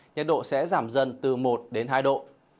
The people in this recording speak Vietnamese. nhiệt độ sẽ giảm dần từ một hai độ